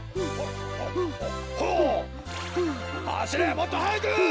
もっとはやく！